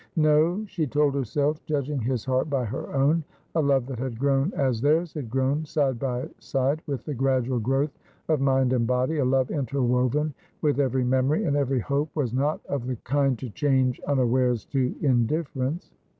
No, she told herself, judging his heart by her own. A love that had grown as theirs had grown, side by side with the gradual growth of mind and body, a love interwoven with every memory and every hope, was not of the kind to change unawares to indifference.